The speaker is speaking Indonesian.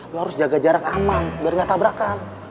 terus jaga jarang aman biar ga tabrakan